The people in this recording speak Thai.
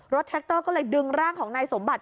แท็กเตอร์ก็เลยดึงร่างของนายสมบัติ